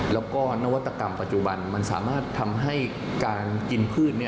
แล้วก็นวัตกรรมปัจจุบันมันสามารถทำให้การกินพืช